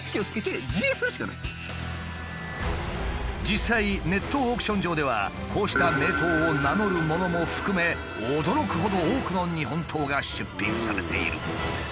実際ネットオークション上ではこうした名刀を名乗るものも含め驚くほど多くの日本刀が出品されている。